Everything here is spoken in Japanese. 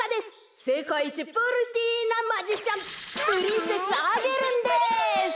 せかいいちプリティーなマジシャンプリンセスアゲルンです。